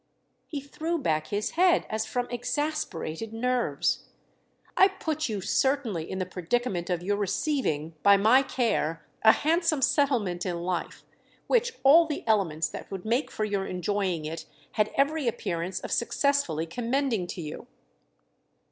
He threw back his head as from exasperated nerves. "I put you certainly in the predicament of your receiving by my care a handsome settlement in life—which all the elements that would make for your enjoying it had every appearance of successfully commending to you."